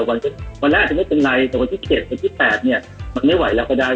วันแรกอาจจะไม่เป็นไรแต่วันที่๗วันที่๘เนี่ยมันไม่ไหวแล้วก็ได้